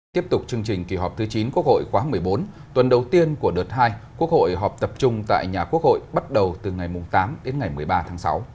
tiếp tục chương trình kỳ họp thứ chín quốc hội khóa một mươi bốn tuần đầu tiên của đợt hai quốc hội họp tập trung tại nhà quốc hội bắt đầu từ ngày tám đến ngày một mươi ba tháng sáu